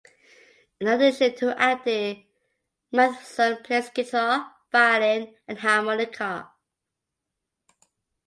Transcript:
In addition to acting, Matheson plays guitar, violin and harmonica.